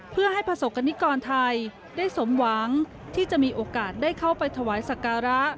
เพื่อให้ประสบกรณิกรไทยได้สมหวังที่จะมีโอกาสได้เข้าไปถวายสักการะ